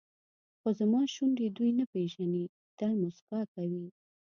خو زما شونډې دوی نه پېژني تل موسکا کوي.